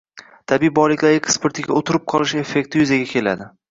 Tabiiy boyliklar eksportiga «o‘tirib qolish» effekti yuzaga keladi.